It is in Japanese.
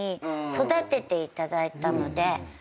育てていただいたので。